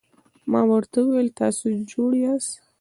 ما ورته وویل: تاسي جوړ یاست؟